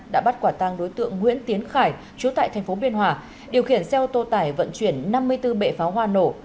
đã bắt quả tăng đối tượng nguyễn tiến khải chú tại tp biên hòa điều khiển xe ô tô tải vận chuyển năm mươi bốn bệ pháo hoa nổ